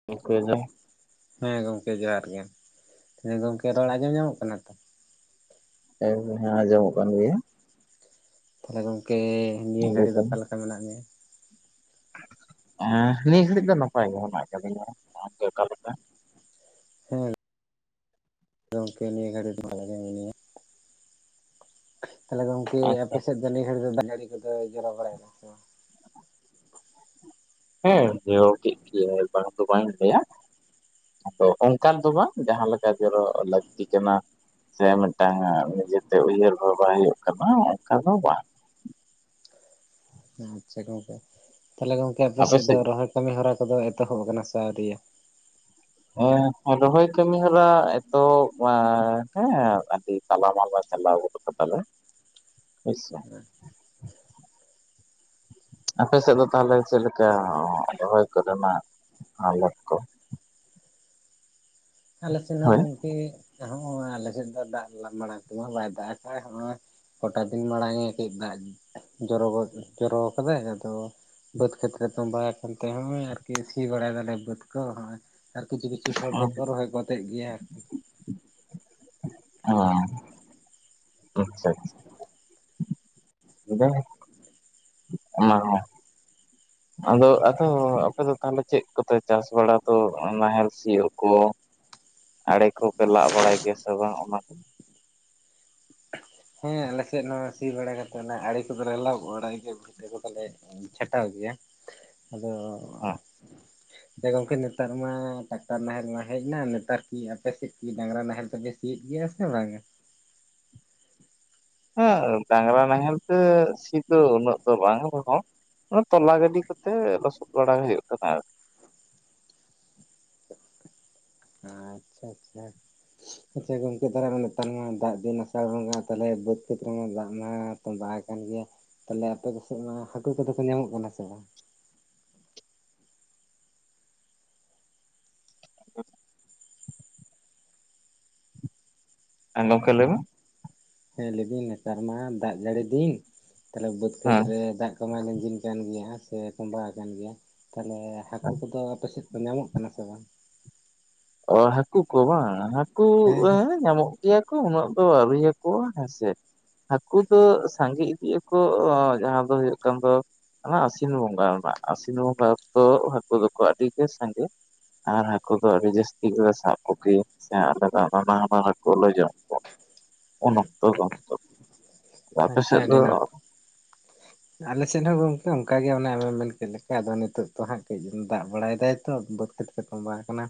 [unintelligible] ᱦᱮᱸ ᱜᱚᱝᱠᱮ ᱡᱚᱦᱟᱨ ᱜᱮ, ᱜᱚᱝᱠᱮ ᱨᱚᱲ ᱟᱸᱡᱚᱢ ᱧᱟᱢᱚᱜ ᱠᱟᱱᱟ ᱛᱚ? ᱦᱮᱸ ᱟᱸᱡᱚᱢᱚᱜ ᱠᱟᱱ ᱜᱮᱭᱟ ᱛᱟᱦᱚᱞᱮ ᱜᱚᱝᱠᱮ ᱱᱤᱭᱟᱹ ᱜᱷᱟᱹᱲᱤ ᱫᱚ ᱮᱸᱰᱮᱠᱷᱟᱱ ᱚᱠᱟᱞ ᱞᱮᱠᱟ ᱢᱮᱱᱟᱜ ᱢᱮᱭᱟ? ᱮᱸ ᱱᱤᱭᱟᱹ ᱜᱷᱟᱹᱲᱤᱡ ᱫᱚ ᱱᱟᱯᱟᱭ ᱜᱮ ᱢᱮᱱᱟᱜ ᱠᱟᱫᱤᱧᱟ ᱟᱢ ᱜᱮ ᱚᱠᱟᱞᱮᱠᱟ? ᱦᱮᱸ ᱜᱚᱢᱠᱮ ᱱᱤᱭᱟᱹ ᱜᱷᱟᱹᱲᱤ ᱫᱚ ᱵᱟᱞᱮ ᱜᱮ ᱢᱤᱱᱟᱹᱧᱟ᱾ ᱛᱟᱦᱚᱞᱮ ᱜᱚᱢᱠᱮ ᱟᱪᱪᱷᱟ ᱟᱯᱮ ᱥᱮᱫ ᱫᱚ ᱱᱤ ᱜᱷᱟᱹᱲᱤ ᱫᱚ ᱫᱟᱜ ᱡᱟᱹᱲᱤ ᱠᱚᱫᱚ ᱡᱚᱨᱚ ᱵᱟᱲᱟᱭ ᱱᱟ ᱥᱮ ᱵᱟᱝ? ᱦᱮᱸ [unintelligible] ᱞᱟᱹᱭᱟ ᱟᱫᱚ ᱚᱱᱠᱟ ᱫᱚ ᱵᱟᱝ ᱡᱟᱦᱟᱸ ᱞᱮᱠᱟ ᱡᱚᱨᱚ ᱞᱟᱹᱠᱛᱤ ᱠᱟᱱᱟ ᱥᱮ ᱢᱤᱫᱴᱟᱝ ᱱᱤᱡᱮᱛᱮ ᱩᱭᱦᱟᱹᱨ ᱵᱷᱟᱵᱟ ᱦᱩᱭᱩᱜ ᱠᱟᱱᱟ ᱚᱱᱠᱟ ᱫᱚ ᱵᱟᱝ ᱟᱪᱪᱷᱟ ᱜᱚᱝᱠᱮ ᱛᱟᱦᱞᱮ ᱜᱚᱝᱠᱮ ᱟᱯᱮ ᱥᱮᱫ ᱫᱚ ᱨᱚᱦᱚᱭ ᱠᱟᱹᱢᱤ ᱦᱚᱨᱟ ᱠᱚᱫᱚ ᱮᱛᱚᱦᱚᱵ ᱠᱟᱱᱟ ᱥᱮ ᱟᱹᱣᱨᱤ ᱦᱮᱸ ᱨᱚᱦᱚᱭ ᱠᱟᱹᱢᱤ ᱦᱚᱨᱟ ᱮᱛᱚᱦᱚᱵ ᱟᱸ ᱦᱮᱸ ᱟᱹᱰᱤ ᱛᱟᱞᱟ ᱢᱟᱞᱟ ᱪᱟᱞᱟᱣ ᱜᱚ ᱠᱟᱛᱟ ᱞᱮ ᱦᱳᱭ ᱥᱮ ᱟᱯᱮᱥᱮᱫ ᱫᱚ ᱛᱟᱦᱚᱞᱮ ᱪᱮᱫ ᱞᱮᱠᱟ ᱨᱚᱦᱚᱭ ᱠᱚ ᱫᱚ ᱢᱟ ᱟᱞᱮᱠ ᱠᱚ ᱟᱞᱮ ᱥᱮᱱ ᱦᱚᱸ ᱦᱳᱭ ᱜᱚᱝᱠᱮ ᱦᱚᱸᱜ-ᱚᱭ ᱟᱞᱮ ᱥᱮᱫ ᱫᱚ ᱫᱟᱜ ᱢᱟᱲᱟᱝ ᱛᱮᱢᱟ ᱵᱟᱭ ᱫᱟᱜ ᱟᱠᱟᱫ ᱦᱚᱸᱜ-ᱚᱭ ᱜᱚᱴᱟ ᱫᱤᱱ ᱢᱟᱬᱟᱝᱮ ᱠᱟᱹᱡ ᱫᱟᱜ ᱡᱚᱨᱚ ᱫᱚ ᱡᱚᱨᱚ ᱠᱟᱫᱟᱭ ᱟᱫᱚ ᱵᱟᱹᱫᱽ ᱠᱷᱮᱛ ᱨᱮ ᱛᱚᱸᱵᱟᱭ ᱟᱠᱟᱱ ᱛᱮ ᱦᱚᱸᱜ-ᱚᱭ ᱟᱨᱠᱤ ᱥᱤ ᱵᱟᱲᱟᱭ ᱫᱟᱞᱮ ᱵᱟᱹᱫᱽ ᱠᱚ ᱦᱚᱸᱜ-ᱚᱭ ᱟᱨ ᱠᱤᱪᱷᱩ ᱠᱤᱪᱷᱩ ᱦᱚᱲ ᱦᱮᱸ ᱫᱚᱠᱚ ᱨᱚᱦᱚᱭ ᱜᱚᱫᱮᱜ ᱜᱮᱭᱟ ᱚᱸ ᱟᱪᱷᱟ ᱟᱪᱷᱟ [unintelligible] ᱟᱫᱚ ᱟᱫᱚ ᱟᱯᱮ ᱫᱚ ᱛᱟᱦᱚᱞᱮ ᱪᱮᱫ ᱠᱚᱛᱮ ᱪᱟᱥ ᱵᱟᱲᱟ ᱫᱚ ᱱᱟᱦᱮᱞ ᱥᱤᱭᱚᱜ ᱠᱚ? ᱟᱲᱮ ᱠᱚᱯᱮ ᱞᱟᱜ ᱵᱟᱲᱟᱭ ᱜᱮᱭᱟ ᱥᱮ ᱵᱟᱝ? ᱚᱱᱟ ᱠᱚ ᱦᱮᱸ ᱟᱞᱮ ᱥᱮᱫ ᱱᱚᱣᱟ ᱥᱤ ᱵᱟᱲᱟ ᱠᱟᱛᱮ ᱚᱱᱟ ᱟᱲᱤ ᱠᱚᱫᱚᱞᱮ ᱞᱟᱜ ᱵᱟᱲᱟᱭ ᱜᱮᱭᱟ᱾ ᱡᱚᱢ ᱠᱟᱛᱮ ᱫᱚ ᱵᱟᱞᱮ ᱪᱷᱟᱴᱟᱣ ᱜᱤᱭᱟ ᱟᱫᱚ ᱦᱮᱸ ᱥᱮ ᱜᱚᱢᱠᱮ ᱱᱮᱛᱟᱨ ᱢᱟ ᱴᱟᱠᱴᱟᱨ ᱱᱟᱦᱮᱞ ᱢᱟ ᱦᱮᱡ ᱱᱟ ᱱᱮᱛᱟᱨ ᱠᱤ ᱟᱯᱮ ᱥᱮᱫ ᱠᱤ ᱰᱟᱝᱨᱟ ᱱᱟᱦᱮᱞ ᱛᱮᱯᱮ ᱥᱤᱭᱮᱫ ᱜᱤᱭᱟ ᱥᱮ ᱵᱟᱝ ᱟᱸ? ᱦᱮᱸ ᱰᱟᱝᱨᱟ ᱱᱟᱦᱮᱞ ᱛᱮ ᱥᱤ ᱫᱚ ᱩᱱᱟᱹᱜ ᱫᱚ ᱵᱟᱝ ᱨᱮᱦᱚᱸ ᱛᱟᱞᱟ ᱜᱟᱹᱰᱤ ᱠᱚᱛᱮ ᱞᱚᱥᱚᱫ ᱵᱟᱲᱟ ᱦᱩᱭᱩᱜ ᱠᱟᱱᱟ᱾ ᱟᱨ ᱟᱪᱷᱟ ᱟᱪᱷᱟ [inaudible] ᱟᱪᱷᱟ ᱜᱚᱢᱠᱮ ᱛᱟᱦᱚᱞᱮ ᱱᱮᱛᱟᱨ ᱢᱟ ᱫᱟᱜ ᱫᱤᱱ ᱟᱥᱟᱲ ᱵᱚᱸᱜᱟ ᱛᱟᱦᱚᱞᱮ ᱵᱟᱹᱫᱽ ᱠᱷᱮᱛ ᱨᱮᱢᱟ ᱫᱟᱜ ᱢᱟ ᱛᱚᱸᱵᱟᱭ ᱠᱟᱱ ᱜᱮ ᱛᱟᱦᱚᱞᱮ ᱟᱯᱮ ᱠᱚ ᱥᱮᱫ ᱢᱟ ᱦᱟᱹᱠᱩ ᱠᱚᱫᱚ ᱠᱚ ᱧᱟᱢᱚᱜ ᱠᱟᱱᱟ ᱥᱮ ᱵᱟᱝ? [inaudible] ᱦᱮᱸᱢ ᱜᱚᱢᱠᱮ ᱞᱟᱹᱭ ᱢᱮ ᱦᱮᱸ ᱞᱟᱹᱭ ᱫᱟᱹᱧ ᱱᱮᱛᱟᱨ ᱢᱟ ᱫᱟᱜ ᱡᱟᱹᱲᱤ ᱫᱤᱱ ᱛᱟᱦᱚᱞᱮ ᱵᱟᱹᱫᱽ ᱠᱷᱮᱛ ᱦᱮᱸ ᱨᱮ ᱫᱟᱜ ᱛᱚᱢᱟᱭ ᱞᱤᱸᱡᱤᱱ ᱠᱟᱱ ᱜᱮᱭᱟ ᱥᱮ ᱛᱚᱢᱵᱟ ᱟᱠᱟᱱ ᱜᱮᱭᱟ ᱛᱟᱦᱚᱞᱮ ᱦᱟᱹᱠᱩ ᱠᱩ ᱫᱚ ᱟᱯᱮ ᱥᱮᱫ ᱧᱟᱢᱚᱜ ᱠᱟᱱᱟ ᱥᱮ ᱵᱟᱝ? ᱚ ᱦᱟᱹᱠᱩ ᱠᱚ ᱵᱟᱝ ᱦᱟᱹᱠᱩ ᱦᱮᱸ ᱧᱟᱢᱚᱜ ᱜᱮᱭᱟ ᱠᱩ ᱩᱱᱟᱹᱜ ᱫᱚ ᱟᱹᱣᱨᱤᱭᱟᱠᱩᱣᱟ ᱦᱮᱸᱥᱮ ᱦᱟᱹᱠᱩ ᱫᱚ ᱥᱟᱸᱜᱤ ᱤᱫᱤ ᱟᱠ ᱠᱳ ᱚ ᱡᱟᱦᱟᱸ ᱫᱚ ᱦᱩᱭᱩᱜ ᱠᱟᱱ ᱫᱚ ᱚᱱᱟ ᱟᱹᱥᱤᱱ ᱵᱚᱸᱜᱟ ᱨᱮᱱᱟᱜ ᱟᱹᱥᱤᱱ ᱵᱚᱸᱜᱟ ᱚᱠᱛᱚ ᱦᱟᱹᱠᱩ ᱫᱚᱠᱚ ᱟᱹᱰᱤ ᱜᱮ ᱥᱟᱸᱜᱮ ᱟᱨ ᱦᱟᱹᱠᱩ ᱫᱚ ᱟᱹᱰᱤ ᱡᱟᱹᱥ ᱴᱷᱤᱠ ᱜᱤᱞᱮ ᱥᱟᱵ ᱠᱩ ᱜᱤ ᱥᱮ [unintelligible] ᱦᱟᱹᱠᱩ ᱞᱮ ᱡᱚᱢ ᱠᱚᱣᱟ ᱩᱱ ᱚᱠᱛᱚ ᱜᱚᱱᱛᱚ ᱟᱯᱮ ᱟᱪᱪᱷᱟ ᱥᱮᱫ ᱫᱚ ᱟᱹᱰᱤ ᱱᱟᱯᱟᱭ ᱟᱞᱮ ᱥᱮᱫ ᱦᱚᱸ ᱜᱚᱝᱠᱮ ᱚᱱᱠᱟᱜᱮ ᱮᱢᱮᱢ ᱢᱮᱱ ᱠᱮᱫ ᱞᱮᱠᱟ ᱟᱫᱚ ᱱᱤᱛᱚᱜ ᱛᱚ ᱦᱟᱸᱜ ᱠᱟᱹᱡ ᱫᱟᱜ ᱵᱟᱲᱟᱭ ᱫᱟᱭ ᱛᱚ ᱵᱟᱹᱛ ᱠᱷᱮᱛ ᱪᱮᱫ ᱠᱚ ᱵᱟᱝ ᱠᱟᱱᱟ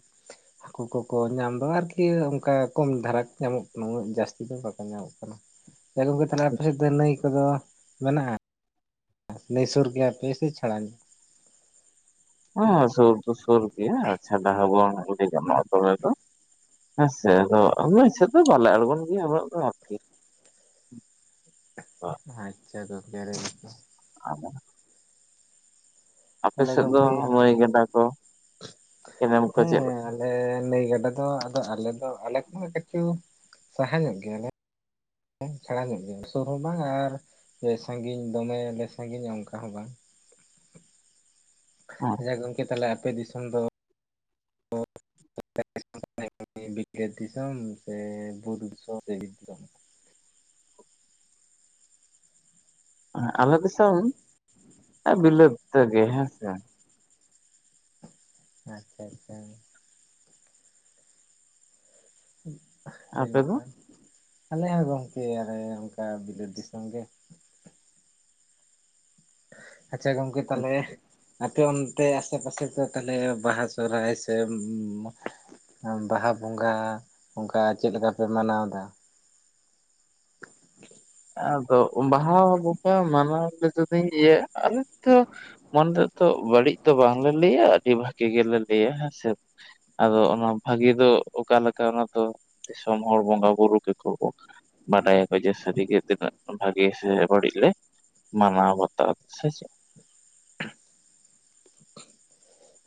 ᱦᱟᱹᱠᱩ ᱠᱚᱠᱚ ᱧᱟᱢ ᱫᱚ ᱟᱨᱠᱤ ᱚᱱᱠᱟ ᱠᱚᱢ ᱫᱷᱟᱨᱟ ᱧᱟᱢᱚᱜ ᱠᱟᱱᱟ ᱩᱱᱟᱹᱜ ᱡᱟᱹᱥᱛᱤ ᱫᱚ ᱵᱟᱠᱚ ᱧᱟᱢᱚᱜ ᱠᱟᱱᱟ᱾ ᱛᱮᱦᱳ ᱜᱳᱢᱠᱮ ᱛᱟᱦᱞᱮ ᱟᱯᱮ ᱥᱮᱫ ᱫᱚ ᱱᱟᱹᱭ ᱠᱚᱫᱚ ᱢᱮᱱᱟᱜ-ᱟ ᱱᱟᱹᱭ ᱥᱩᱨ ᱜᱮᱭᱟ ᱯᱮ ᱥᱮ ᱪᱷᱟᱲᱟ ᱧᱚ ᱦᱮᱸ ᱥᱩᱨ ᱫᱚ ᱥᱩᱨ ᱜᱮᱭᱟ ᱟᱨ ᱪᱷᱟᱰᱟ ᱦᱚᱸ ᱵᱟᱝ ᱞᱟᱹᱭ ᱜᱟᱱᱚᱜ-ᱟ ᱫᱚᱢᱮ ᱫᱚ ᱦᱮᱸᱥᱮ ᱟᱫᱚ ᱟᱞᱮ ᱥᱮᱫ ᱫᱚ ᱵᱟᱞᱮ ᱟᱲᱜᱩᱱ ᱜᱮᱭᱟ ᱩᱱᱟᱹᱜ ᱫᱚ ᱟᱪᱪᱷᱟ ᱜᱚᱢᱠᱮ [unintelligible] ᱟ [inaudible] ᱟᱯᱮ ᱛᱟᱦᱚᱞᱮ ᱥᱮᱫ ᱫᱚ ᱜᱚᱝᱠᱮ ᱱᱟᱹᱭ ᱜᱟᱰᱟ ᱠᱚ ᱠᱮᱱᱮᱞ ᱠᱚ ᱦᱮᱸ ᱪᱮᱫ ᱞᱮᱠᱟ ᱟᱞᱮ ᱱᱟᱹᱭ ᱜᱟᱰᱟ ᱫᱚ ᱟᱫᱚ ᱟᱞᱮ ᱫᱚ ᱟᱞᱮ ᱠᱷᱚᱱ ᱠᱤᱪᱷᱩ ᱥᱟᱦᱟ ᱧᱚᱜ ᱜᱮᱭᱟᱞᱮ ᱪᱷᱟᱲᱟ [unintelligible] ᱥᱩᱨ ᱦᱚᱸ ᱵᱟᱝ ᱟᱨ ᱥᱟᱺᱜᱤᱧ ᱫᱚᱢᱮᱞᱮ ᱥᱟᱺᱜᱤᱧᱟ ᱚᱱᱠᱟ ᱦᱚᱸ ᱵᱟᱝ ᱦ ᱡᱮ ᱜᱚᱢᱠᱮ ᱛᱟᱦᱚᱞᱮ ᱟᱯᱮ ᱫᱤᱥᱚᱢ ᱫᱚ [unintelligible] ᱫᱤᱥᱚᱢ ᱥᱮ ᱵᱩᱨᱩ ᱥ ᱫᱤᱥᱚᱢ ᱟᱞᱮ ᱫᱤᱥᱚᱢ ᱵᱤᱞᱟᱹᱛ ᱜᱮ ᱦᱮᱸ ᱥᱮ ᱟᱪᱪᱷᱟ ᱟᱪᱪᱷᱟ ᱦ ᱟᱯᱮ ᱫᱚ ᱚᱸᱱᱝᱠᱟᱱ ᱟᱞᱮ ᱦᱚᱸ ᱜᱚᱢᱠᱮ ᱟᱞᱮ ᱚᱱᱠᱟ ᱵᱤᱞᱟᱹᱛ ᱫᱤᱥᱚᱢ ᱜᱮ ᱟᱪᱪᱷᱟ ᱜᱚᱝᱠᱮ ᱛᱟᱦᱚᱞᱮ ᱚᱱᱛᱮ ᱟᱥᱮ ᱯᱟᱥᱮ ᱠᱚ ᱛᱟᱦᱚᱞᱮ ᱵᱟᱦᱟ ᱥᱚᱨᱦᱟᱭ ᱥᱮ ᱵᱟᱦᱟ ᱵᱚᱸᱜᱟ ᱚᱱᱠᱟ ᱪᱮᱫ ᱞᱮᱠᱟ ᱯᱮ ᱢᱟᱱᱟᱣ ᱫᱟ [inaudible] ᱟᱫᱚ ᱵᱟᱦᱟ ᱵᱚᱸᱜᱟ ᱢᱟᱱᱟᱣ ᱡᱩᱫᱤᱧ ᱟᱞᱮ ᱛᱚ ᱢᱚᱱᱨᱮ ᱛᱚ ᱵᱟᱹᱲᱤᱡ ᱛᱚ ᱵᱟᱝᱞᱮ ᱞᱟᱹᱭᱟ ᱟᱹᱰᱤ ᱵᱷᱟᱹᱜᱮ ᱜᱮᱞᱮ ᱞᱟᱹᱭᱟ ᱦᱮᱸᱥᱮ ᱟᱫᱚ ᱚᱱᱟ ᱵᱷᱟᱹᱜᱤ ᱫᱚ ᱚᱠᱟᱮᱠᱟ ᱚᱱᱟ ᱫᱚ ᱫᱤᱥᱚᱢ ᱦᱚᱲ ᱵᱚᱸᱜᱟ ᱵᱩᱨᱩ ᱜᱮᱠᱚ ᱵᱟᱲᱟᱭ ᱟᱠᱚ ᱡᱮ ᱥᱟᱹᱨᱤ ᱜᱮ ᱛᱤᱱᱟ, ᱜ ᱵᱷᱟᱹᱜᱤ ᱟᱥᱮ ᱵᱟᱲᱤᱞᱮ ᱢᱟᱱᱟ ᱵᱟᱛᱟ ᱥᱮ ᱪᱮᱫ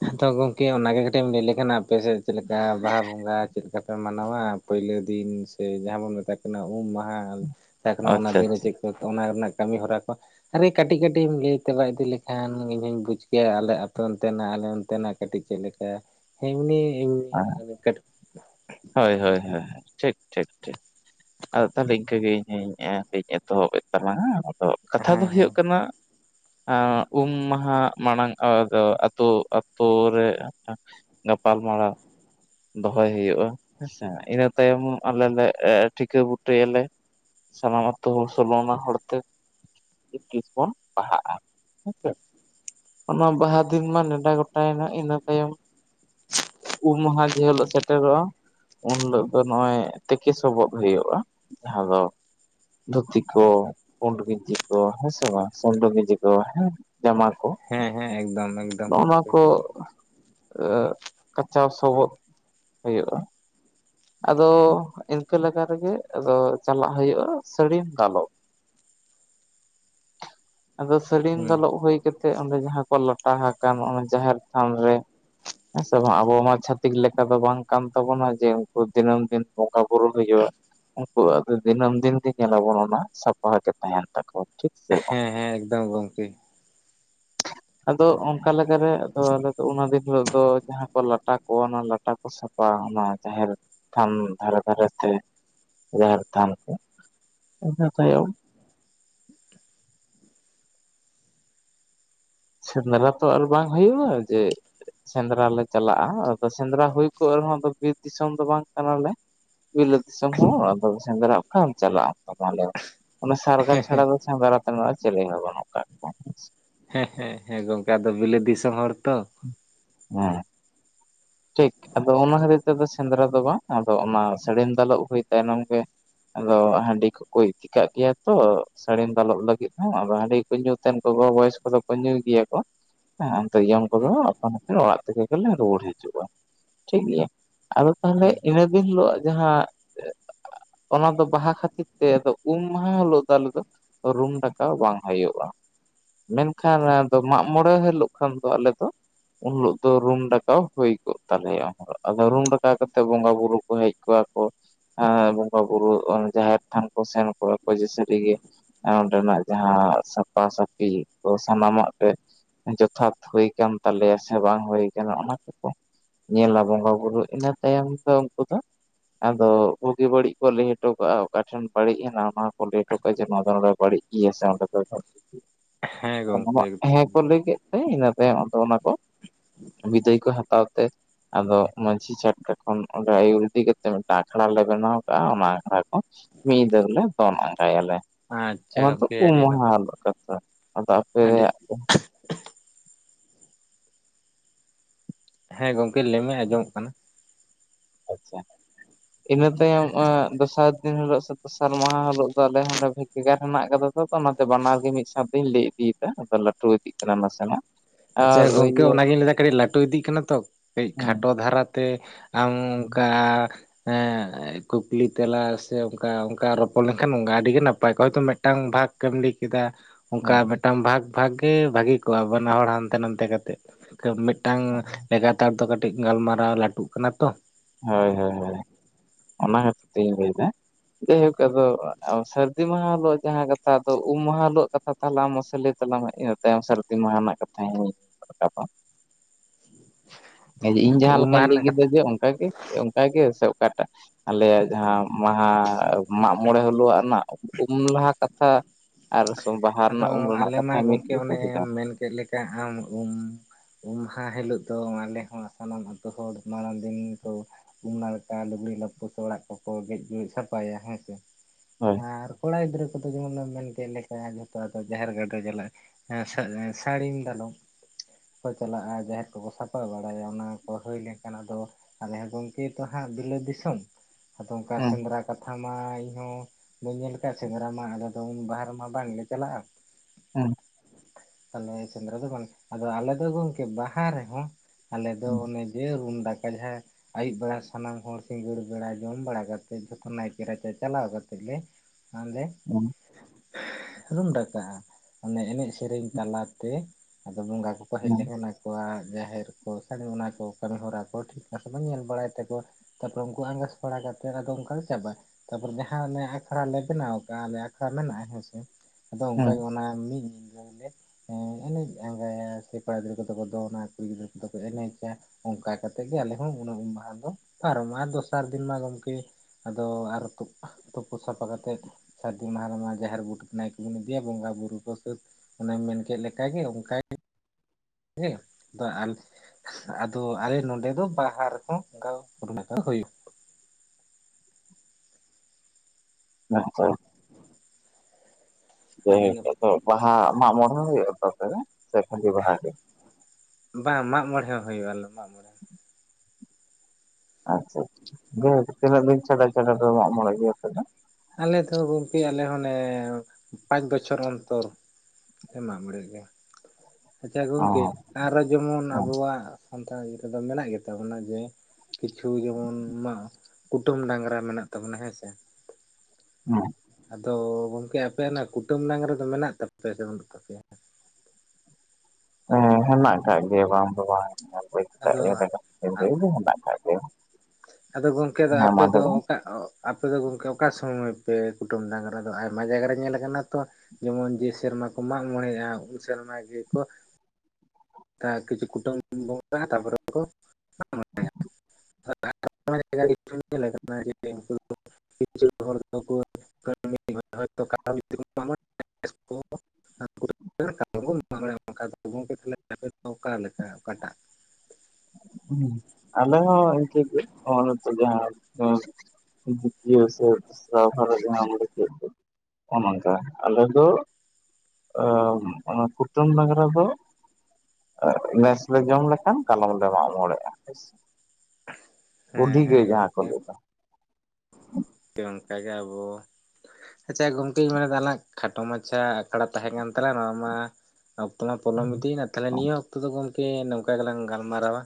ᱟᱫᱚ ᱜᱚᱝᱠᱮ ᱚᱱᱟᱜᱮ ᱠᱟᱹᱴᱤᱡ ᱮᱢ ᱞᱟᱹᱭ ᱞᱮᱠᱷᱟᱱ ᱟᱯᱮᱥᱮᱫ ᱪᱮᱫᱮ ᱞᱮᱠᱟ ᱵᱟᱦᱟ ᱵᱚᱸᱜᱟ ᱪᱮᱫ ᱞᱮᱠᱟ ᱯᱮ ᱢᱟᱱᱟᱣᱟ ᱯᱳᱭᱞᱳ ᱫᱤᱱ ᱥᱮ ᱡᱟᱦᱟᱸ ᱵᱚᱱ ᱢᱮᱛᱟᱜ ᱠᱟᱱᱟ ᱩᱢ ᱢᱟᱦᱟ ᱠᱷ ᱚᱱᱟ ᱟᱪᱪᱷᱟ ᱫᱤᱱ ᱨᱮ ᱟᱪᱪᱷᱟ ᱪᱮᱫ ᱛ ᱚᱱᱟ ᱨᱮᱱᱟᱜ ᱠᱟᱹᱢᱤ ᱦᱚᱨᱟ ᱠᱚ ᱟᱨᱮ ᱠᱟᱹᱴᱤᱡ ᱠᱟᱹᱴᱤᱡ ᱮᱢ ᱞᱟᱹᱭᱛᱮᱟᱵᱟ ᱤᱫᱤ ᱞᱮᱠᱷᱟᱱ ᱤᱧᱦᱚᱧ ᱵᱩᱡ ᱠᱮᱭᱟ ᱟᱞᱮ ᱟᱹᱛᱩ ᱚᱱᱛᱮᱱᱟᱜ ᱟᱞ ᱛᱮᱱᱟᱜ ᱠᱟᱹᱴᱤᱡ ᱪᱮᱫ ᱞᱮᱠᱟ ᱦᱮ ᱮᱢᱱᱤ ᱮᱢᱱᱤ ᱦᱳᱭ ᱦᱳᱭ ᱦᱭ ᱴᱷᱤᱠ ᱴᱷᱤᱠ ᱴᱷᱤᱠ ᱟᱫᱚ ᱛᱟᱦᱚᱞᱮ ᱤᱱᱠᱟᱹᱜᱮ ᱤᱧᱦᱚᱧ ᱮᱛᱚᱦᱚᱵᱮᱫ ᱛᱟᱞᱟᱝ ᱛᱚ ᱠᱟᱛᱷᱟ ᱫᱚ ᱦᱮᱸ ᱦᱩᱭᱩᱜ ᱦᱮᱸ ᱠᱟᱱᱟ ᱩᱢ ᱢᱟᱦᱟ ᱢᱟᱲᱟᱝ ᱟᱫᱚ ᱟᱹᱛᱩ ᱟᱛᱳ ᱨᱮ ᱜᱟᱯᱟᱞ ᱢᱟᱨᱟᱨᱟᱣ ᱫᱚᱦᱚᱭ ᱦᱩᱭᱩᱜᱼᱟ ᱦᱮᱸᱥᱮ ᱤᱱᱟᱹ ᱛᱟᱭᱚᱢ ᱟᱞᱮ ᱞᱮ ᱴᱷᱤᱠᱟᱹ ᱜᱩᱴᱟᱹᱭᱟᱞᱮ ᱥᱟᱱᱟᱢᱟ ᱛᱟᱵᱩᱱ ᱥᱟᱱᱟᱢ ᱢᱟ ᱥᱚᱱᱢᱟᱱ ᱢᱟ ᱦᱚᱲᱛᱮ ᱛᱤᱥ ᱵᱚᱱ ᱯᱟᱲᱦᱟᱜᱼᱟ ᱦᱮᱸᱥᱮ ᱚᱱᱟ ᱵᱟᱦᱟ ᱫᱤᱱ ᱢᱟ ᱱᱮᱰᱟ ᱜᱚᱴᱟᱭᱮᱱᱟ ᱤᱱᱟᱹ ᱛᱟᱭᱚᱢ ᱩᱢ ᱢᱟᱦᱟ ᱡᱮᱦᱤᱞᱳᱜ ᱥᱮᱴᱮᱨᱚᱜᱼᱟ ᱩᱱ ᱦᱤᱞᱳ ᱫᱚ ᱱᱚᱜᱼᱚᱭ ᱛᱮᱠᱮ ᱥᱚᱵᱚᱫ ᱦᱩᱭᱩᱜᱼᱟ ᱡᱟᱦᱟᱸ ᱫᱚ ᱫᱷᱩᱛᱤ ᱠᱚ ᱯᱩᱸᱰ ᱜᱮᱱᱡᱤ ᱠᱚ ᱦᱮᱸ ᱥᱮ ᱵᱟᱝ ᱥᱩᱱᱰᱟᱹ ᱜᱮᱱᱡᱤ ᱠᱚ ᱦᱮᱸ ᱡᱟᱢᱟ ᱠᱚ ᱦᱮᱸ ᱦᱮᱸ ᱮᱠᱫᱚᱢ ᱮᱠᱫᱚᱢ ᱱᱚᱜᱼᱚ ᱱᱚᱣᱟ ᱜᱚᱝᱠᱮ ᱠᱚ ᱠᱟᱪᱟᱣ ᱥᱚᱵᱚᱫ ᱦᱩᱭᱩᱜᱼᱟ ᱟᱫᱚ ᱤᱱᱠᱟᱹ ᱞᱮᱠᱟ ᱨᱮᱜᱮ ᱟᱫᱚ ᱪᱟᱞᱟᱜ ᱦᱩᱭᱩᱜᱼᱟ ᱥᱟᱹᱲᱤᱢ ᱫᱟᱞᱚᱵ ᱟᱫᱚ ᱥᱟᱹᱲᱤᱢ ᱦᱩᱸ ᱫᱟᱞᱚᱵ ᱦᱩᱭ ᱪᱮᱛᱮ ᱚᱸᱰᱮ ᱡᱟᱦᱟᱸ ᱠᱚ ᱞᱟᱴᱟ ᱟᱠᱟᱱ ᱚᱱᱟ ᱡᱟᱦᱮᱨ ᱛᱷᱟᱱ ᱨᱮ ᱦᱮᱸ ᱥᱮ ᱵᱟᱝ ᱟᱵᱚ ᱢᱟ ᱪᱷᱟᱹᱛᱤᱠ ᱞᱮᱠᱟ ᱫᱚ ᱵᱟᱝ ᱠᱟᱱ ᱛᱟᱵᱚᱱᱟ ᱡᱮ ᱫᱤᱱᱟᱹᱢ ᱫᱤᱱ ᱵᱚᱸᱜᱟ ᱵᱳᱩᱨᱩ ᱦᱤᱡᱩᱜᱼᱟ ᱟᱫᱚ ᱫᱤᱱᱟᱹᱢ ᱫᱤᱱ ᱜᱮ ᱧᱮᱞᱟᱵᱚᱱ ᱚᱱᱟ ᱥᱟᱯᱷᱟ ᱜᱮ ᱛᱟᱦᱮᱱ ᱛᱟᱠᱚᱣᱟ ᱴᱷᱤᱠ ᱥᱮ ᱵᱟᱝ ᱦᱮᱸ ᱦᱮᱸ ᱮᱠᱫᱚᱢ ᱜᱚᱝᱠᱮ ᱟᱫᱚ ᱚᱱᱠᱟ ᱞᱮᱠᱟᱨᱮ ᱟᱫᱚ ᱟᱞᱮ ᱚᱱᱟ ᱫᱤᱱ ᱦᱤᱞᱳᱜ ᱫᱚ ᱡᱟᱦᱟᱸ ᱠᱚ ᱞᱟᱴᱟ ᱠᱚᱣᱟ ᱚᱱᱟ ᱞᱟᱴᱟ ᱠᱚ ᱥᱟᱯᱷᱟ ᱚᱱᱟ ᱡᱟᱦᱮᱨ ᱛᱷᱟᱱ ᱫᱷᱟᱨᱮ ᱫᱷᱟᱨᱮᱛᱮ ᱡᱟᱦᱮᱨ ᱛᱷᱟᱱ ᱠᱚ ᱚᱱᱟᱹ ᱛᱟᱭᱚᱢ ᱥᱮᱸᱫᱽᱨᱟ ᱛᱚ ᱟᱨ ᱵᱟᱝ ᱦᱩᱭᱩᱜᱼᱟ ᱡᱮ ᱥᱮᱸᱫᱽᱨᱟ ᱞᱮ ᱪᱟᱞᱟᱜᱼᱟ ᱟᱫᱚ ᱥᱮᱸᱫᱽᱨᱟ ᱦᱩᱭ ᱠᱚᱜ ᱨᱮᱦᱚᱸ ᱟᱫᱚ ᱵᱤᱨ ᱫᱤᱥᱚᱢ ᱫᱚ ᱵᱟᱝ ᱠᱟᱱᱟᱞᱮ ᱵᱤᱞᱟᱛ ᱫᱤᱥᱚᱢ ᱦᱚᱲ ᱟᱫᱚ ᱥᱮᱸᱫᱽᱨᱟ ᱚᱠᱟᱛᱮᱢ ᱪᱟᱞᱟᱜᱼᱟ ᱢᱟ ᱞᱟᱭᱢᱮ ᱚᱱᱟ ᱥᱟᱨᱜᱟᱨ ᱪᱷᱟᱲᱟ ᱦᱮᱸ ᱫᱚ ᱥᱮᱸᱫᱽᱨᱟᱛᱮ ᱨᱮᱱᱟᱜ ᱪᱮᱞᱮ ᱦᱚᱸ ᱵᱟᱹᱱᱩᱜ ᱠᱟᱜ ᱠᱚᱣᱟ ᱦᱮᱸ ᱦᱮᱸ ᱦᱮᱸ ᱜᱚᱝᱠᱮ ᱟᱫᱚ ᱵᱤᱞᱟᱹᱛ ᱫᱤᱥᱚᱢ ᱦᱚᱲ ᱛᱚ ᱦᱮᱸ ᱴᱷᱤᱠ ᱟᱫᱚ ᱚᱱᱟ ᱠᱷᱟᱹᱛᱤᱨ ᱛᱮᱫᱚ ᱥᱮᱸᱫᱽᱨᱟ ᱫᱚ ᱵᱟᱝ ᱟᱫᱚ ᱚᱱᱟ ᱥᱟᱹᱲᱤᱢ ᱫᱟᱞᱚᱵ ᱦᱩᱭ ᱛᱟᱭᱱᱚᱢ ᱜᱮ ᱟᱫᱚ ᱦᱟᱺᱰᱤ ᱠᱚᱠᱚ ᱤᱫᱤ ᱠᱟᱜ ᱜᱮᱭᱟ ᱛᱚ ᱥᱟᱹᱲᱤᱢ ᱫᱟᱞᱚᱵ ᱞᱟᱹᱜᱤᱫ ᱦᱚᱸ ᱟᱫᱚ ᱦᱟᱺᱰᱤ ᱧᱩᱛᱮᱱ ᱠᱚᱠᱚ ᱵᱚᱭᱮᱥ ᱠᱚᱫᱚ ᱠᱚ ᱧᱩᱭ ᱜᱮᱭᱟ ᱠᱚ ᱦᱮᱸ ᱛᱚ ᱤᱭᱚᱝ ᱠᱚᱫᱚ ᱦᱩᱸ ᱟᱯᱟᱱ ᱟᱹᱯᱤᱱ ᱚᱲᱟᱜ ᱛᱮᱜᱮ ᱜᱮᱞᱮ ᱨᱩᱣᱟᱹᱲ ᱦᱮᱡ ᱦᱤᱡᱩᱜᱼᱟ ᱴᱷᱤᱠ ᱜᱮᱭᱟ ᱟᱫᱚ ᱛᱟᱦᱚᱞᱮ ᱦᱩᱸ ᱤᱱᱟᱹ ᱫᱤᱱ ᱦᱤᱞᱚᱜ ᱡᱟᱦᱟᱸ ᱚᱱᱟ ᱫᱚ ᱵᱟᱦᱟ ᱠᱷᱟᱹᱛᱤᱨ ᱛᱮ ᱟᱫᱚ ᱩᱢ ᱢᱟᱦᱟ ᱦᱤᱞᱚᱜ ᱫᱚ ᱟᱞᱮ ᱫᱚ ᱨᱩᱢ ᱰᱟᱠᱟᱣ ᱵᱟᱝ ᱦᱩᱭᱩᱜᱼᱟ ᱢᱮᱱ ᱠᱷᱟᱱ ᱟᱫᱚ ᱢᱟᱜᱽ ᱢᱚᱬᱮ ᱦᱤᱞᱳᱜ ᱠᱷᱟᱱ ᱫᱚ ᱟᱞᱮ ᱫᱚ ᱩᱱ ᱦᱤᱞᱳᱜ ᱫᱚ ᱨᱩᱢ ᱰᱟᱠᱟᱣ ᱦᱩᱭ ᱠᱚᱜ ᱛᱟᱞᱮᱭᱟ ᱟᱫᱚ ᱨᱩᱢ ᱰᱟᱠᱟᱣ ᱠᱟᱛᱮ ᱵᱚᱸᱜᱟᱼᱵᱩᱨᱩ ᱠᱚ ᱦᱮᱡ ᱠᱚᱜᱼᱟ ᱠᱚ ᱟᱸ ᱵᱚᱸᱜᱟᱼᱵᱩᱨᱩ ᱚᱱᱮ ᱡᱟᱦᱮᱸᱨ ᱛᱷᱟᱱ ᱠᱚ ᱥᱮᱱ ᱠᱚᱜᱼᱟ ᱠᱚ ᱯᱟᱪᱮ ᱥᱟᱹᱨᱤ ᱜᱮ ᱚᱸᱰᱮᱱᱟᱜ ᱡᱟᱦᱟᱸ ᱥᱟᱯᱟ ᱥᱟᱯᱤ ᱠᱚ ᱥᱟᱱᱟᱢ ᱟᱛᱮ ᱡᱚᱛᱷᱟᱛ ᱦᱩᱭ ᱠᱟᱱ ᱛᱟᱞᱮᱭᱟ ᱥᱮ ᱵᱟᱝ ᱦᱩᱭ ᱠᱟᱱᱟ ᱚᱱᱟ ᱧᱮᱞᱟ ᱵᱚᱸᱜᱟᱼᱵᱩᱨᱩ ᱤᱱᱟᱹ ᱛᱟᱭᱚᱢ ᱫᱚ ᱩᱱᱠᱩ ᱫᱚ ᱟᱫᱚ ᱵᱩᱜᱤ ᱵᱟᱹᱲᱤᱡ ᱠᱚ ᱞᱟᱹᱭ ᱦᱚᱴᱚ ᱠᱟᱜᱼᱟ ᱚᱠᱟ ᱴᱷᱮᱱ ᱵᱟᱹᱲᱤᱡ ᱦᱮᱱᱟᱜᱼᱟ ᱚᱱᱟ ᱠᱚ ᱞᱟᱹᱭ ᱦᱚᱴᱚ ᱠᱟᱜᱼᱟ ᱡᱮ ᱱᱚᱣᱟ ᱫᱚ ᱱᱚᱰᱮ ᱵᱟᱹᱲᱤᱡ ᱤᱭᱟᱹ ᱥᱟᱣ ᱛᱮᱠᱚ ᱦᱮᱸ ᱜᱚᱝᱠᱮ [inaudible] ᱮᱠᱫᱚᱢ ᱦᱮᱸ ᱠᱚ ᱮᱠᱫᱚᱢ ᱞᱟᱹᱭ ᱠᱮᱜ ᱦᱮ ᱤᱱᱟᱹ ᱛᱟᱭᱚᱢ ᱟᱫᱚ ᱚᱱᱟ ᱠᱚ ᱵᱤᱫᱟᱹᱭ ᱠᱚ ᱦᱟᱛᱟᱣ ᱛᱮ ᱟᱫᱚ ᱢᱟᱹᱡᱷᱤ ᱪᱷᱟᱴᱠᱟ ᱠᱷᱚᱱ ᱚᱸᱰᱮ ᱟᱹᱭᱩᱨ ᱤᱫᱤ ᱠᱟᱛᱮᱜ ᱢᱤᱫ ᱴᱟᱝ ᱟᱠᱷᱲᱟ ᱞᱮ ᱵᱮᱱᱟᱣ ᱠᱟᱜᱼᱟ ᱚᱱᱟ ᱟᱠᱷᱲᱟ ᱠᱚ ᱢᱤᱫ ᱧᱤᱫᱟᱹ ᱜᱮᱞᱮ ᱫᱚᱱ ᱟᱸᱜᱟᱭᱟᱞᱮ ᱟᱪᱪᱷᱟ ᱚᱱᱟ ᱫᱚ ᱜᱚᱝᱠᱮ ᱩᱢ ᱟᱹᱰᱤ ᱱᱟ ᱢᱟᱦᱟ ᱦᱤᱞᱚᱜ ᱠᱟᱛᱷᱟ ᱟᱫᱚ ᱟᱹᱰᱤ ᱟᱯᱮᱭᱟᱜ ᱫᱚ ᱦᱮᱸ ᱜᱚᱝᱠᱮ ᱞᱟᱹᱭ ᱢᱮ ᱟᱸᱡᱚᱢᱚᱜ ᱠᱟᱱᱟ ᱟᱪᱪᱷᱟ ᱤᱱᱟᱹ ᱛᱟᱭᱚᱢ ᱫᱚᱥᱟᱨ ᱫᱤᱱ ᱦᱤᱞᱳᱜ ᱥᱮᱛᱟᱜ ᱛᱮᱥᱟᱨ ᱢᱟᱦᱟ ᱦᱤᱞᱳᱜ ᱫᱚ ᱟᱞᱮᱸ ᱦᱚᱸᱰᱮ ᱵᱷᱮᱜᱟᱨ ᱦᱮᱱᱟᱜ ᱠᱟᱫᱟ ᱛᱚ ᱚᱱᱟᱛᱮ ᱵᱟᱱᱟᱨ ᱜᱮ ᱢᱤᱫ ᱥᱟᱶᱛᱮ ᱞᱟᱹᱭ ᱤᱫᱤᱭᱮᱫᱟ ᱟᱫᱚ ᱞᱟᱹᱴᱩ ᱤᱫᱤᱜ ᱠᱟᱱᱟ ᱱᱟᱥᱮ ᱱᱟᱜ ᱟᱪᱪᱷᱟ ᱜᱚᱝᱠᱮ ᱚᱱᱟ ᱜᱤᱧ ᱞᱟᱹᱭ ᱮᱫᱟ ᱠᱟᱹᱴᱤᱡ ᱞᱟᱹᱴᱩ ᱤᱫᱤᱜ ᱠᱟᱱᱟ ᱛᱚ ᱠᱟᱹᱡ ᱦᱮᱸ ᱠᱷᱟᱴᱚ ᱫᱷᱟᱨᱟ ᱛᱮ ᱟᱢ ᱚᱝᱠᱟ ᱦᱮᱸ ᱠᱩᱠᱞᱤ ᱛᱮᱞᱟ ᱥᱮ ᱚᱱᱠᱟ ᱚᱱᱠᱟ ᱨᱚᱯᱚᱲ ᱞᱮᱱ ᱠᱷᱟᱱ ᱚᱱᱠᱟ ᱟᱹᱰᱤ ᱜᱮ ᱱᱟᱯᱟᱭ ᱠᱚᱜᱼᱟ ᱦᱚᱭ ᱛᱚ ᱢᱮᱱ ᱴᱟᱝ ᱵᱷᱟᱜᱽ ᱮᱢ ᱞᱟᱹᱭ ᱠᱮᱫᱟ ᱚᱱᱠᱟ ᱦᱮᱸ ᱢᱤᱫᱴᱟᱝ ᱵᱷᱟᱜᱽ ᱵᱷᱟᱜᱽ ᱜᱮ ᱵᱷᱟᱹᱜᱤ ᱠᱚᱜᱼᱟ ᱵᱟᱱᱟ ᱦᱚᱲ ᱦᱟᱱᱛᱮ ᱱᱟᱱᱛᱮ ᱠᱟᱛᱮᱜ ᱢᱤᱫ ᱴᱟᱝ ᱞᱮᱜᱟᱛᱟᱲ ᱫᱚ ᱠᱟᱹᱴᱤᱡ ᱜᱟᱞᱢᱟᱨᱟᱣ ᱞᱟᱹᱴᱩᱜ ᱠᱟᱱᱟ ᱛᱚ ᱦᱳᱭ ᱦᱳᱭ ᱦᱳᱭ ᱚᱱᱟ [inaudible] ᱛᱤᱜᱤᱧ ᱞᱟᱹᱭ ᱫᱟ ᱡᱟᱭ ᱦᱳᱠ ᱟᱫᱚ ᱥᱟᱹᱨᱫᱤ ᱢᱟᱦᱟ ᱦᱤᱞᱳᱜ ᱡᱟᱦᱟᱸ ᱠᱟᱛᱷᱟ ᱩᱢ ᱢᱟᱦᱟ ᱦᱤᱞᱳᱜ ᱠᱟᱛᱷᱟ ᱛᱚ ᱛᱟᱦᱚᱞᱮ ᱟᱢ ᱢᱟᱥᱮ ᱛᱟᱞᱟᱝ ᱢᱮ ᱤᱱᱟᱹ ᱛᱟᱭᱚᱢ ᱥᱟᱹᱨᱫᱤ ᱢᱟᱦᱟ ᱨᱮᱱᱟᱜ ᱠᱟᱛᱷᱟᱧ ᱨᱟᱠᱟᱵᱟ ᱤᱧ ᱡᱟᱦᱟᱸ ᱩᱢ ᱞᱮᱠᱟᱧ ᱢᱟᱦᱟ ᱞᱟᱹᱭ ᱨᱮᱱᱟᱜ ᱠᱮᱫ ᱠᱟᱛᱷᱟ ᱫᱚ ᱡᱮ ᱚᱱᱠᱟ ᱚᱱᱠᱟᱜᱮ ᱚᱱᱠᱟᱜᱮ ᱜᱮ ᱥᱮ ᱚᱠᱟᱴᱟᱜ ᱟᱞᱮᱭᱟᱜ ᱡᱟᱦᱟᱸ ᱢᱟᱦᱟ ᱢᱟᱜ ᱢᱚᱬᱮ ᱦᱤᱞᱳᱜ ᱟᱜ ᱨᱮᱱᱟᱜ ᱩᱢ ᱞᱟᱦᱟ ᱠᱟᱛᱷᱟ ᱟᱨ ᱵᱟᱦᱟ ᱟᱫᱚ ᱨᱮᱱᱟᱜ ᱩᱢ ᱨᱮᱱᱟᱜ ᱟᱞᱮ ᱢᱟ ᱠᱟᱛᱷᱟ ᱢᱤᱫ ᱜᱚᱢᱠᱮ ᱜᱮᱥᱮ ᱚᱱᱮ ᱵᱷᱮᱜᱟᱨᱟ ᱢᱮᱱ ᱠᱮᱫ ᱞᱮᱠᱟ ᱟᱢ ᱩᱢ ᱩᱢ ᱢᱟᱦᱟ ᱦᱤᱞᱳᱜ ᱫᱚ ᱟᱞᱮ ᱦᱚᱸ ᱥᱟᱱᱟᱢ ᱟᱹᱛᱩ ᱦᱚᱲ ᱢᱟᱨᱟᱝ ᱫᱤᱱ ᱠᱚ ᱩᱢ ᱱᱟᱲᱠᱟ ᱞᱩᱜᱽᱲᱤ ᱞᱟᱯᱚ ᱠᱚ ᱚᱲᱟᱜ ᱠᱚᱠᱚ ᱜᱮᱡ ᱜᱩᱨᱤᱡ ᱥᱟᱯᱷᱟᱭᱟ ᱦᱮᱸ ᱥᱮ ᱦᱳᱭ ᱟᱨ ᱠᱚᱲᱟ ᱜᱤᱫᱽᱨᱟᱹ ᱠᱚᱫᱚ ᱡᱮᱢᱚᱱ ᱮᱢ ᱢᱮᱱ ᱪᱮᱫ ᱞᱮᱠᱟ ᱡᱷᱚᱛᱚ ᱟᱫᱚ ᱡᱟᱦᱮᱨ ᱜᱟᱲ ᱠᱚ ᱪᱟᱞᱟᱜ ᱥᱟᱹᱜ ᱥᱟᱹᱲᱤᱢ ᱫᱟᱞᱚᱵ ᱠᱚ ᱪᱟᱞᱟᱜᱼᱟ ᱡᱟᱦᱮᱨ ᱠᱚᱠᱚ ᱥᱟᱯᱟ ᱵᱟᱲᱟᱭᱟ ᱚᱱᱟ ᱠᱚ ᱦᱩᱭ ᱞᱮᱱ ᱠᱷᱟᱱ ᱟᱫᱚ ᱟᱞᱮ ᱦᱚᱸ ᱜᱚᱝᱠᱮ ᱛᱚ ᱦᱟᱸᱜ ᱵᱤᱞᱟᱹᱛ ᱫᱤᱥᱚᱢ ᱟᱫᱚ ᱚᱱᱠᱟ ᱦᱮᱸ ᱥᱮᱸᱫᱽᱨᱟ ᱠᱟᱛᱷᱟ ᱢᱟ ᱤᱧ ᱦᱚᱸ ᱵᱟᱹᱧ ᱧᱮᱞ ᱠᱟᱜ ᱥᱮᱸᱫᱽᱨᱟ ᱢᱟ ᱟᱞᱮ ᱫᱚ ᱵᱟᱦᱮᱨ ᱟᱞᱮ ᱢᱟ ᱵᱟᱝ ᱞᱮ ᱪᱟᱞᱟᱜᱼᱟ ᱦᱮᱸ ᱛᱟᱦᱚᱞᱮ ᱥᱮᱸᱫᱽᱨᱟ ᱫᱚ ᱵᱟᱝ ᱟᱫᱚ ᱟᱞᱮ ᱫᱚ ᱜᱚᱝᱠᱮ ᱵᱟᱦᱟ ᱨᱮᱦᱚᱸ ᱟᱞᱮ ᱫᱚ ᱦᱮᱸ ᱚᱱᱮ ᱡᱮ ᱨᱩᱢ ᱰᱟᱠᱼᱟ ᱡᱟᱦᱟᱸ ᱟᱹᱭᱩᱵ ᱵᱮᱲᱟ ᱥᱟᱱᱟᱢ ᱦᱚᱲ ᱥᱤᱸᱜᱟᱹᱲ ᱵᱮᱲᱟ ᱡᱚᱢ ᱵᱟᱲᱟ ᱠᱟᱛᱮᱫ ᱡᱚᱛᱚ ᱱᱟᱭᱠᱮ ᱨᱟᱪᱟ ᱪᱟᱞᱟᱣ ᱠᱟᱛᱮᱫ ᱞᱮ ᱟᱫᱮ ᱦᱮᱸ ᱨᱩᱢ ᱰᱟᱠᱟᱣ ᱚᱱᱮ ᱮᱱᱮᱡ ᱥᱮᱨᱮᱧ ᱛᱟᱞᱟᱛᱮ ᱟᱫᱚ ᱵᱚᱸᱜᱟ ᱠᱚ ᱦᱮᱡ ᱞᱮᱱᱟ ᱠᱚᱣᱟ ᱡᱟᱦᱮᱸᱨ ᱠᱚ ᱥᱟ ᱠᱚ ᱠᱟᱹᱢᱤ ᱦᱚᱨᱟ ᱠᱚ ᱴᱷᱤᱠ ᱴᱟᱠ ᱵᱟᱝ ᱧᱮᱞ ᱵᱟᱲᱟᱭ ᱛᱟᱠᱚᱣᱟ ᱛᱟᱯᱚᱨᱮ ᱩᱱᱠᱩ ᱟᱸᱜᱷᱟᱟᱥ ᱵᱟᱲᱟ ᱠᱟᱛᱮ ᱟᱫᱚ ᱚᱱᱠᱟ ᱪᱟᱵᱟᱭ ᱛᱟᱯᱚᱨᱮ ᱡᱟᱦᱟᱸ ᱚᱱᱮ ᱟᱠᱷᱲᱟ ᱞᱮ ᱵᱮᱱᱟᱣ ᱠᱟᱜᱼᱟ ᱟᱞᱮ ᱟᱠᱷᱲᱟ ᱢᱮᱱᱟᱜᱼᱟ ᱟᱫᱚ ᱚᱱᱠᱟ ᱦᱮᱸ ᱜᱮ ᱚᱱᱟ ᱢᱤᱫ ᱧᱤᱫᱟᱹᱮ [unintelligible] ᱮᱱᱮᱡ ᱟᱸᱜᱟᱭᱟ ᱥᱮ ᱠᱚᱲᱟ ᱜᱤᱫᱽᱨᱟᱹ ᱠᱚᱫᱚ ᱠᱚ ᱫᱚᱱᱟ ᱠᱩᱲᱤ ᱜᱤᱫᱽᱨᱟᱹ ᱠᱚᱫᱚ ᱠᱚ ᱮᱱᱮᱡᱟ ᱚᱱᱠᱟ ᱠᱟᱛᱮᱫ ᱜᱮ ᱟᱞᱮᱦᱚ ᱩᱱᱟᱹᱜ ᱩᱢ ᱵᱟᱦᱟ ᱫᱚ ᱯᱟᱨᱚᱢᱚᱜᱼᱟ ᱟᱨ ᱫᱚᱥᱟᱨ ᱫᱤᱱ ᱢᱟ ᱜᱚᱢᱠᱮ ᱟᱫᱚ ᱟᱨ ᱛᱩᱯ ᱛᱩᱯᱩ ᱥᱟᱯᱷᱟ ᱠᱟᱛᱮᱫ ᱥᱟᱹᱨᱫᱤ ᱢᱟᱦᱟ ᱨᱮᱢᱟ ᱡᱟᱦᱮᱨ ᱵᱩᱴ ᱱᱟᱭᱠᱮ ᱵᱚᱱ ᱤᱫᱤᱭᱟ ᱵᱚᱸᱜᱟ ᱵᱩᱨᱩ ᱥᱟᱹᱫ ᱚᱱᱟ ᱢᱮᱱ ᱠᱮᱫ ᱞᱮᱠᱟᱜᱮ ᱚᱱᱠᱟ ᱦᱮᱸ ᱟᱢ [unintelligible] ᱟᱫᱚ ᱟᱞᱮ ᱱᱚᱰᱮ ᱫᱚ ᱵᱟᱦᱟ ᱨᱮᱦᱚᱸ ᱚᱱᱠᱟ ᱠᱩᱨᱩᱢᱩᱴ ᱦᱩᱭᱩᱜᱼᱟ ᱟᱪᱪᱷᱟ ᱟᱹᱰᱤ ᱡᱮ ᱵᱟᱦᱟ ᱢᱟᱜᱽ ᱢᱚᱬᱮ ᱦᱚ ᱦᱩᱭᱩᱜ -ᱟ ᱛᱚ ᱥᱮ ᱠᱷᱟᱞᱤ ᱵᱟᱦᱟᱜᱮ ᱵᱟᱝ ᱢᱟᱜᱽ ᱢᱚᱬᱮ ᱦᱩᱭᱩᱜ ᱟᱞᱚ ᱢᱟᱜᱽ ᱢᱚᱬᱮ ᱟᱪᱪᱷᱟ ᱵᱮᱥ ᱛᱤᱱᱟᱹᱜ ᱫᱤᱱ ᱪᱷᱟᱰᱟ ᱪᱷᱟᱰᱟ ᱯᱮ ᱢᱟᱜ ᱢᱚᱬᱮ ᱜᱮᱭᱟ ᱟᱯᱮ ᱫᱚ ᱟᱞᱮ ᱫᱚ ᱜᱚᱝᱠᱮ ᱟᱞᱮ ᱦᱚᱱᱮ ᱯᱟᱸᱪ ᱵᱚᱪᱷᱚᱨ ᱚᱱᱛᱚᱨ ᱢᱟᱜᱽ ᱢᱚᱬᱮ ᱜᱮᱭᱟ ᱟᱪᱪᱷᱟ ᱚ ᱜᱚᱝᱠᱮ ᱟᱨᱦᱚ ᱡᱮᱢᱚᱱ ᱦᱚᱸ ᱟᱵᱚᱣᱟᱜ ᱥᱟᱱᱛᱟ ᱤᱭᱟᱹ ᱨᱮᱫᱚ ᱢᱮᱱᱟᱜ ᱜᱮ ᱛᱟᱵᱚᱱᱟ ᱡᱮ ᱠᱤᱪᱷᱩ ᱡᱮᱢᱚᱱ ᱢᱟᱜ ᱠᱩᱴᱟᱹᱢ ᱰᱟᱝᱨᱟ ᱢᱮᱱᱟᱜ ᱛᱟᱵᱚᱱᱟ ᱦᱮᱸ ᱥᱮ ᱦᱩᱸ ᱟᱫᱚ ᱜᱚᱝᱠᱮ ᱟᱯᱮᱭᱟᱜ ᱚᱱᱟ ᱠᱩᱴᱟᱹᱢ ᱰᱟᱸᱝᱨᱟ ᱫᱚ ᱢᱮᱱᱟᱜ ᱛᱟᱯᱮᱭᱟ ᱥᱮ ᱵᱟᱹᱱᱩᱜ ᱛᱟᱯᱮᱭᱟ ᱦᱮᱸ ᱦᱮᱱᱟᱜ ᱠᱟᱜ ᱜᱮᱭᱟ ᱵᱟᱝ ᱫᱚ ᱵᱟᱝ ᱟᱫᱚ ᱦᱮᱱᱟᱜ ᱠᱟᱜ ᱜᱮᱭᱟ ᱟᱫᱚ ᱜᱚᱝᱠᱮ ᱫᱚ ᱦᱮᱸ ᱟᱯᱮ ᱢᱟ ᱫᱚ ᱞᱟᱹᱭ ᱚᱠᱟ ᱚ ᱟᱯᱮᱚ ᱜᱚᱢᱠᱮ ᱚᱠᱟ ᱥᱚᱢᱚᱭ ᱯᱮ ᱠᱩᱴᱟᱹᱢ ᱰᱟᱸᱝᱨᱟ ᱫᱚ ᱟᱭᱢᱟ ᱡᱟᱭᱜᱟ ᱨᱮ ᱧᱮᱞ ᱠᱟᱱᱟ ᱛᱚ ᱡᱮᱢᱚᱱ ᱡᱮ ᱥᱮᱨᱢᱟ ᱠᱚ ᱢᱟᱜᱽ ᱢᱚᱬᱮᱜᱼᱟ ᱩᱱ ᱥᱮᱨᱢᱟ ᱜᱮᱠᱚ ᱠᱤᱪᱷᱩ ᱠᱩᱴᱟᱹᱢ ᱵᱚᱸᱜᱟ ᱛᱟᱨᱯᱚᱨᱮ ᱠᱚᱲᱟ [unintelligible] ᱟᱭᱢᱟ ᱡᱟᱭ ᱧᱮᱞ ᱟᱠᱟᱱᱟ ᱡᱮ ᱩᱱᱠᱩ ᱠᱤᱪᱷᱩ ᱦᱚᱲ ᱫᱚ [unintelligible] ᱛᱚ ᱠ [unintelligible] ᱮᱠᱮ ᱛᱟᱦ [unintelligible] ᱟᱯᱮ ᱫᱚ ᱚᱠᱟ ᱞᱮᱠᱟ ᱚᱠᱟᱴᱟᱜ ᱦᱩᱸ ᱤᱱᱠᱟᱹ ᱜᱮ [inaudible] ᱫᱤᱭ ᱥᱮ [unintelligible] ᱚᱢᱠᱟ ᱟᱞᱮ ᱫᱚ ᱚ ᱚᱱᱟ ᱠᱩᱴᱟᱹᱢ ᱰᱟᱸᱝᱨᱟ ᱫᱚ ᱱᱮᱥ ᱞᱮ ᱡᱚᱢ ᱞᱮᱠᱷᱟᱱ ᱠᱟᱞᱚᱢ ᱞᱮ ᱢᱟᱜᱽ ᱢᱚᱬᱮᱜᱼᱟ ᱦᱳᱭᱥᱮ ᱦᱮᱸ ᱵᱩᱰᱷᱤ ᱜᱟ. ᱭ ᱡᱟᱦᱟᱸ ᱠᱚ ᱞᱟᱹᱭ ᱫᱟ ᱛᱚ ᱚᱱᱠᱟ ᱜᱮ ᱟᱵᱚ ᱟᱪᱪᱷᱟ ᱜᱚᱝᱠᱮ ᱢᱮᱱ ᱤᱧ ᱛᱟᱦᱮᱱ ᱟᱞᱟᱜ ᱠᱷᱟᱴᱚ ᱢᱟᱪᱷᱟ ᱟᱠᱷᱲᱟ ᱛᱟᱦᱮᱸ ᱠᱟᱱ ᱛᱟᱦᱮᱠᱟᱱ ᱛᱟᱞᱟᱝ-ᱟ ᱱᱚᱣᱟ ᱢᱟ ᱚᱠᱛᱚ ᱢᱟ ᱯᱚᱞᱚᱢ ᱤᱫᱤᱭᱮᱱᱟ ᱛᱟᱦᱚᱞᱮ ᱱᱤᱭᱟᱹ ᱚᱠᱛᱚ ᱫᱚ ᱜᱚᱢᱠᱮ ᱱᱚᱝᱠᱟ ᱜᱮᱞᱟᱝ ᱜᱟᱞᱢᱟᱨᱟᱣᱟ